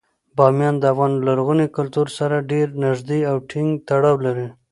بامیان د افغان لرغوني کلتور سره ډیر نږدې او ټینګ تړاو لري.